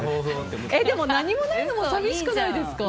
でも何もないのも寂しくないですか？